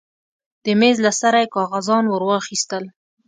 د مېز له سره يې کاغذان ورواخيستل.